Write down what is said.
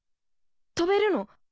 飛べるの？